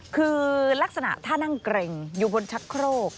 คือลักษณะท่านั่งเกร็งอยู่บนชักโครก